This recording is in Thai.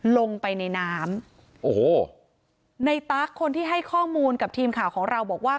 ลงไปในน้ำโอ้โหในตั๊กคนที่ให้ข้อมูลกับทีมข่าวของเราบอกว่า